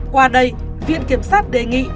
qua đây viện kiểm soát đề nghị